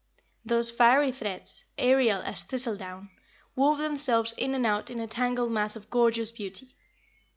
Those fiery threads, aerial as thistle down, wove themselves in and out in a tangled mass of gorgeous beauty.